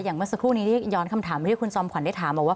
เมื่อสักครู่นี้ที่ย้อนคำถามไปที่คุณจอมขวัญได้ถามบอกว่า